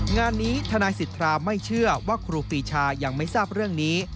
งานนี้ทนายสิทธาไม่เชื่อว่าครูปีชายังไม่ทราบเรื่องนี้